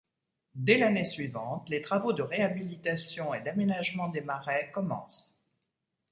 Dès l'année suivante, les travaux de réhabilitation et d'aménagement des marais commencent.